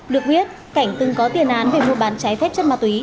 được biết cảnh từng có tiền án về mua bán trái phép chất mà tùy